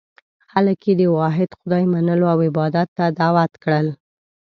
خلک یې د واحد خدای منلو او عبادت ته دعوت کړل.